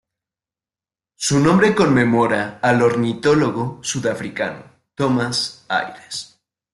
Su nombre conmemora al ornitólogo sudafricano Thomas Ayres.